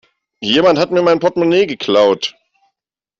Jemand hat mir mein Portmonee geklaut.